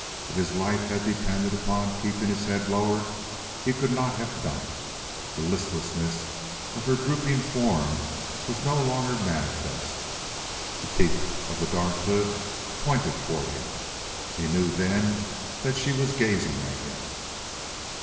If his life had depended upon keeping his head lowered he could not have done it. The listlessness of her drooping form was no longer manifest. The peak of the dark hood pointed toward him. He knew then that she was gazing at him.